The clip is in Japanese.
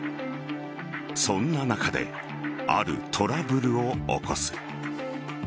そんな中であるトラブルを起こす。